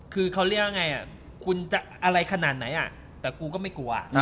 คือเขาเรียกว่าไงคุณจะอะไรขนาดไหนแต่กูก็ไม่กลัว